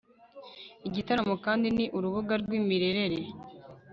igitaramo kandi ni urubuga rw'imirerere